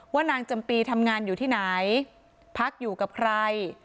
นางจำปีทำงานอยู่ที่ไหนพักอยู่กับใคร